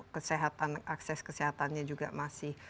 kesehatan akses kesehatannya juga masih